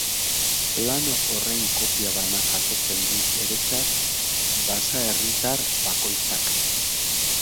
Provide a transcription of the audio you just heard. Plano horren kopia bana jasotzen du beretzat basaerritar bakoitzak.